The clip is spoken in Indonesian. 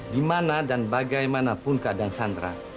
dimana dan bagaimanapun keadaan sandra